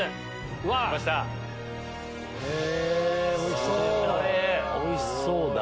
へぇおいしそう！